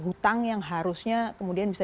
hutang yang harusnya kemudian bisa